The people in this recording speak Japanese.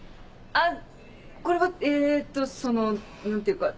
あっこれはえっとその何ていうか。